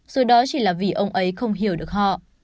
rồi đó chỉ là vì ông ấy không hiểu được họ